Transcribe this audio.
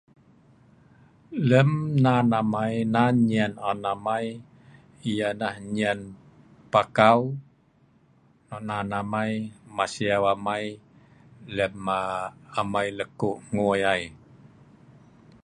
Lem nan amai nan nyien on amai yeh nah nyien pakau nok nai amai maseeu amai lem aa…amai lekuu’ nguui ai